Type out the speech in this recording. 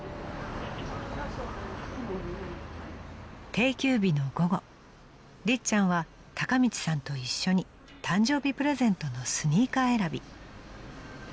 ［定休日の午後りっちゃんは孝道さんと一緒に誕生日プレゼントのスニーカー選び］